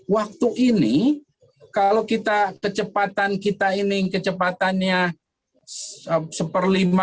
waktu ini kalau kita kecepatan kita ini kecepatannya seperlindungan